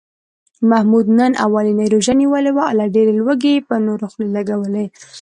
محمود نن اولنۍ روژه نیولې وه، له ډېرې لوږې یې په نورو خولې لږولې.